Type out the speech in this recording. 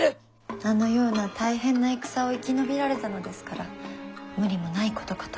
あのような大変な戦を生き延びられたのですから無理もないことかと。